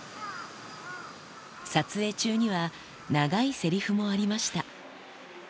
撮影中には、長いせりふもありました。